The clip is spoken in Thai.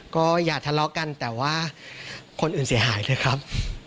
ก็อย่าทะเลาะกันแต่ว่าคนอื่นเสียหายเถอะครับ